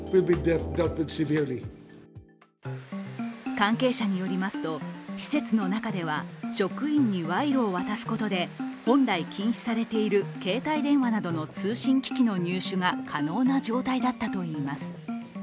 関係者によりますと、施設の中では職員に賄賂を渡すことで本来禁止されている携帯電話などの通信機器の入手が可能な状態だったといいます。